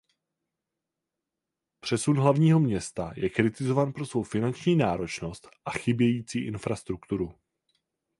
Přesun hlavního města je kritizován pro svou finanční náročnost a chybějící infrastrukturu.